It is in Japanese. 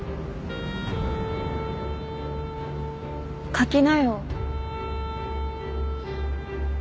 書きなよ。